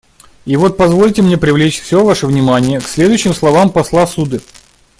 И вот позвольте мне привлечь все ваше внимание к следующим словам посла Суды.